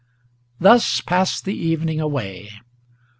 Thus passed the evening away.